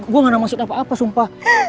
gue ga mau ngasih apa apa sumpah